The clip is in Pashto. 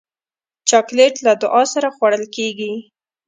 چاکلېټ له دعا سره خوړل کېږي.